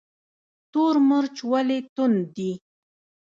تور مرچ ولې توند دي؟